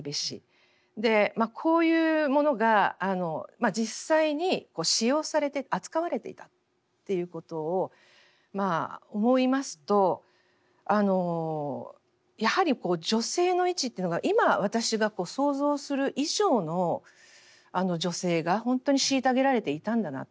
こういうものが実際に使用されて扱われていたっていうことを思いますとやはり女性の位置っていうのが今私が想像する以上の女性が本当に虐げられていたんだなと。